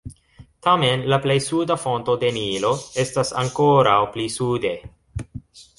Tamen la plej suda fonto de Nilo estas ankoraŭ pli sude.